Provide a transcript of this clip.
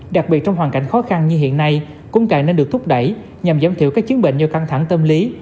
đặc biệt trong hoàn cảnh khó khăn như hiện nay cũng càng nên được thúc đẩy nhằm giảm thiểu các chiến bệnh do căng thẳng tâm lý